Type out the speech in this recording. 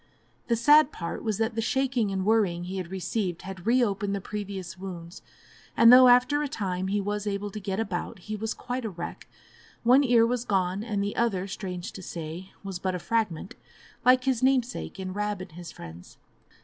The sad part was that the shaking and worrying he had received had reopened the previous wounds, and though after a time he was able to get about, he was quite a wreck; one ear was gone, and the other, strange to say, was but a fragment, like his namesake in "Rab and his Friends."